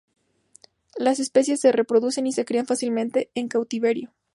Las especie se reproduce y se cría fácilmente en cautiverio.